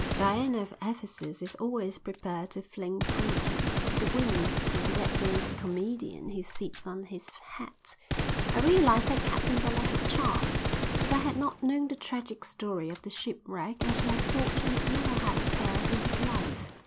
Diana of Ephesus is always prepared to fling prudence to the winds for the red nosed comedian who sits on his hat. I realised that Captain Butler had charm. If I had not known the tragic story of the shipwreck I should have thought he had never had a care in his life.